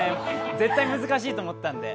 絶対難しいと思ったんで。